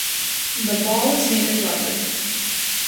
The ball is made of rubber.